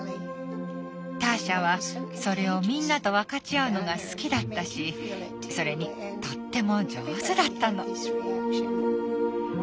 ターシャはそれをみんなと分かち合うのが好きだったしそれにとっても上手だったの。